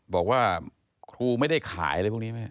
บอกว่าครูไม่ได้ขายอะไรพวกนี้ไหม